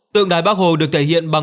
tượng đài bắc hồ được thể hiện bằng